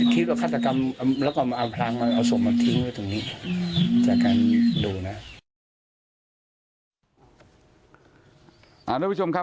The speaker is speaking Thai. คิดว่าฆาตกรรมแล้วก็เอาพลังเอาศพมาทิ้งไว้ตรงนี้จากการดูนะ